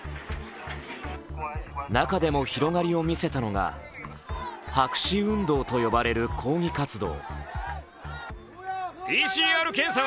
中でも広がりを見せたのが白紙運動と呼ばれる抗議活動。